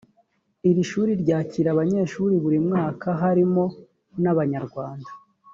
iri shuri ryakira abanyeshuri buri mwaka harimo n’abanyarwanda